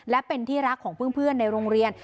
และเป็นที่รักของเพื่อนในโรงเรียน